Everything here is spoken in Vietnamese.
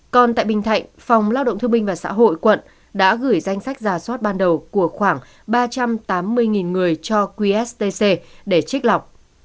còn tại bình thạnh phòng lao động thương binh và xã hội quận đã gửi danh sách giả soát ban đầu của khoảng ba trăm tám mươi người cho qst để trích lọc